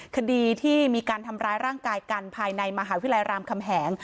คดีที่มีการทำร้ายร่างกายกันภายในมหาวิทยาลัยรามคำแหง